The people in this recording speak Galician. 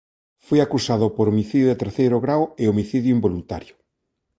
Foi acusado por homicidio de terceiro grao e homicidio involuntario.